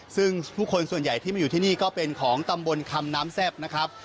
ซึ่งผู้คนส่วนใหญ่ที่มาอยู่ที่นี่ก็เป็นของตำบลคำน้ำแซ่บนะครับ